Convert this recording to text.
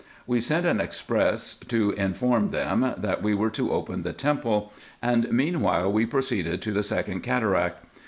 We sent an express to inform them, that we were to open the temple, and meanwhile we proceeded to the second cataract.